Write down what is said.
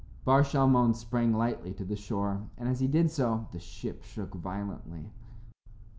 Bar Shalmon sprang lightly to the shore, and as he did so the ship shook violently.